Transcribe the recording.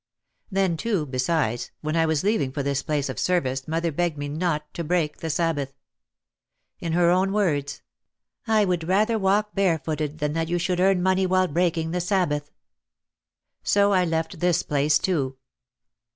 Then, too, besides, when I was leaving for this place of service mother begged me not to break the Sabbath. In her own words, "I would rather walk barefooted than that you should earn money while breaking the Sabbath." So I left this place too.